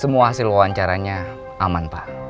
semua hasil wawancaranya aman pak